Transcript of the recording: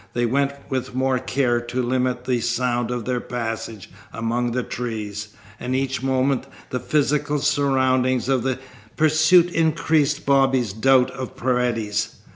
They went with more care to limit the sound of their passage among the trees. And each moment the physical surroundings of the pursuit increased Bobby's doubt of Paredes.